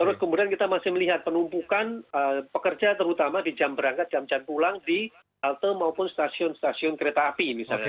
terus kemudian kita masih melihat penumpukan pekerja terutama di jam berangkat jam jam pulang di halte maupun stasiun stasiun kereta api misalnya